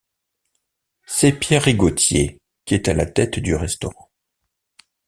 C'est Pierre Rigothier qui est à la tête du restaurant.